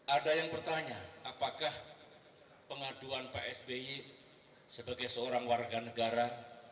ada yang bertanya apakah pengaduan pak sby sebagai seorang warga negara